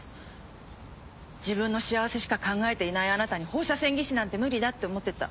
自分の幸せしか考えていないあなたに放射線技師なんて無理だって思ってた。